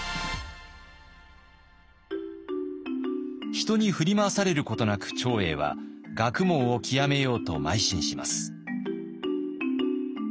人に振り回されることなく長英は学問を究めようとまい進します。